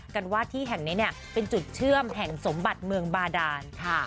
กันว่าที่แห่งนี้เนี่ยเป็นจุดเชื่อมแห่งสมบัติเมืองบาดานค่ะ